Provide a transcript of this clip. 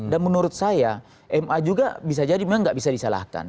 dan menurut saya ma juga bisa jadi memang nggak bisa disalahkan